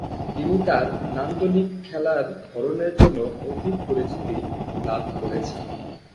তিনি তার নান্দনিক খেলার ধরনের জন্য অধিক পরিচিতি লাভ করেছেন।